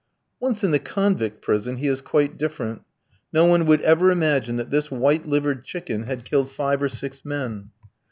Once at the convict prison, he is quite different. No one would ever imagine that this white livered chicken had killed five or six men.